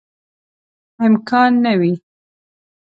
امکان نه وي.